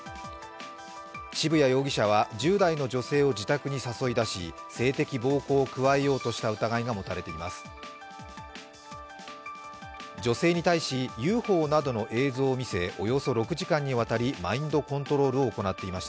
渋谷容疑者は１０代の女性を自宅に誘い出し性的暴行を加えようとした疑いが持たれています。